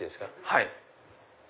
はい。